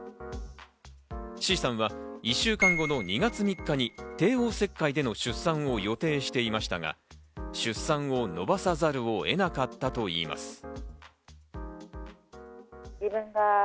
Ｃさんは２週間後の２月３日に帝王切開での出産を予定していましたが、出産を延ばさざるを得なかったといいます。